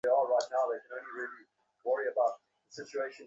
কমলা পুলকিত হইয়া জিজ্ঞাসা করিল, পশ্চিমে আমরা কোথায় যাইতেছি?